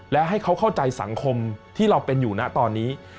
และให้เขาเข้าใจสังคมที่เราเป็นอยู่นะตอนนี้